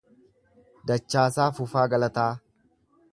Dachaasaa Fufaa Galataa